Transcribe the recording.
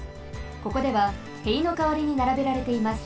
ここではへいのかわりにならべられています。